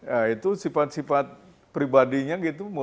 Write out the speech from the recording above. ya itu sifat sifat pribadinya gitu